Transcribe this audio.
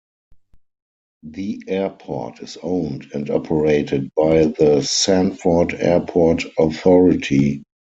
The airport is owned and operated by the Sanford Airport Authority.